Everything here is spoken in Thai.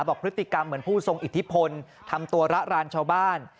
บอกพฤติกรรมเหมือนผู้ทรงอิทธิพลทำตัวระรานชาวบ้าน